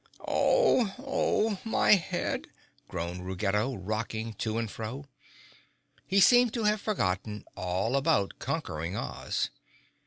"Oh, Oh, My head!" groaned Ruggedo, rocking to and fro. He seemed to have forgotten all about conquering Oz.